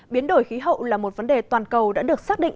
biến đổi khí hậu là một vấn đề toàn cầu đã được xác định